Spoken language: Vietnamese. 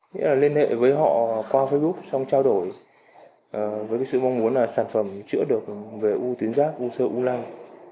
nghĩa là liên hệ với họ qua facebook xong trao đổi với sự mong muốn là sản phẩm chữa được về u tín giác u sơ u lăng